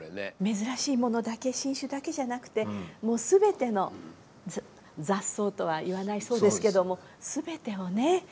珍しいものだけ新種だけじゃなくてもう全ての雑草とは言わないそうですけども全てをね